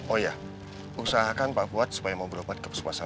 oh iya usahakan pak fuad supaya mau berobat ke pesepak saya